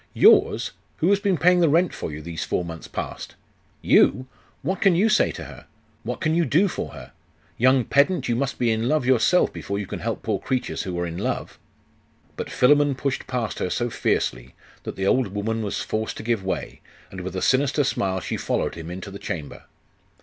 'Yours? Who has been paying the rent for you, these four months past? You! What can you say to her? What can you do for her? Young pedant, you must be in love yourself before you can help poor creatures who are in love!' But Philammon pushed past her so fiercely, that the old woman was forced to give way, and with a sinister smile she followed him into the chamber.